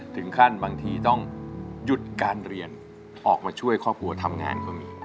ถึงขั้นบางทีต้องหยุดการเรียนออกมาช่วยครอบครัวทำงานก็มี